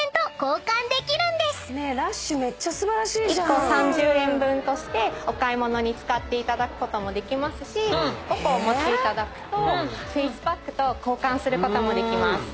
１個３０円分として買い物に使っていただくこともできますし５個お持ちいただくとフェイスパックと交換することもできます。